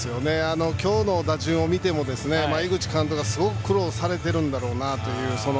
今日の打順を見ても井口監督はすごく苦労をされているんだろうなと。